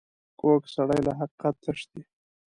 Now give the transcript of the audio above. کوږ سړی له حقیقت تښتي